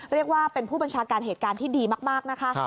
เรียกว่าเป็นผู้บัญชาการเหตุการณ์ที่ดีมากนะคะ